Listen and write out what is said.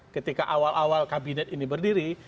ketika awal awal kabinet ini berdiri